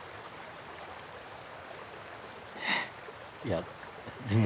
いやでも。